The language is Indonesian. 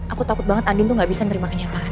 aku takut banget andin tuh gak bisa nerima kenyataan